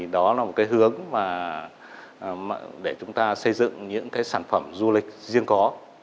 đó là một hướng để chúng ta xây dựng những sản phẩm du lịch riêng có